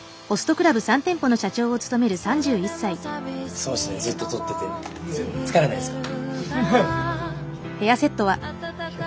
すごいですねずっと撮ってて疲れないですか？